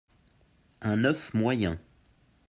un oeuf moyen